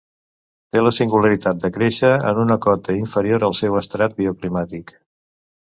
Té la singularitat de créixer en una cota inferior al seu estrat bioclimàtic.